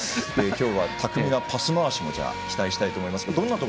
今日は巧みなパス回しを期待したいと思います。